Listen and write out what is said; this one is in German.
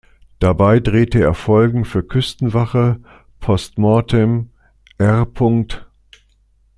Dabei drehte er Folgen für "Küstenwache", "Post Mortem", "R.